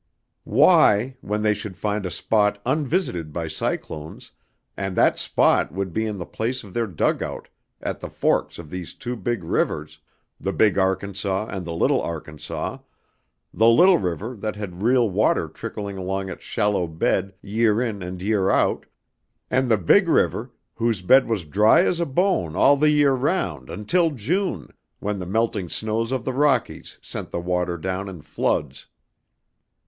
Why, when they should find a spot unvisited by cyclones, and that spot would be in the place of their dugout at the forks of these two rivers, the Big Arkansas and the Little Arkansas, the little river that had real water trickling along its shallow bed year in and year out, and the Big river whose bed was dry as a bone all the year round until June, when the melting snows of the Rockies sent the water down in floods.